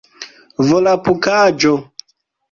volapukaĵo